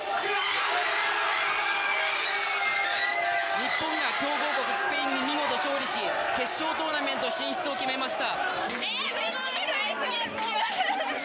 日本が強豪国スペインに見事、勝利し決勝トーナメント進出を決めました。